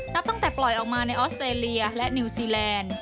นับตั้งแต่ปล่อยออกมาในออสเตรเลียและนิวซีแลนด์